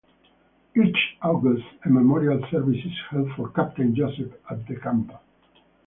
Each August a memorial service is held for Captain Joseph at the camp.